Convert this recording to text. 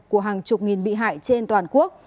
của hàng chục nghìn bị hại trên toàn quốc